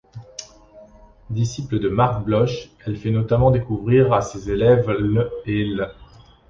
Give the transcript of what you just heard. Disciple de Marc Bloch, elle fait notamment découvrir à ses élèves l' et l'.